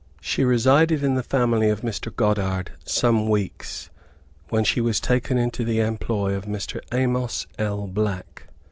She resided in the family of Mr. Goddard some weeks, when she was taken into the employ of Mr. Amos L. Black.